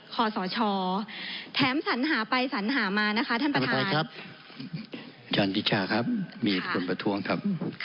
คอสอชอแถมสัญหาไปสัญหามานะคะท่านประทานตามคือครับ